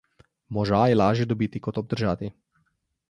Moža je lažje dobiti kot obdržati.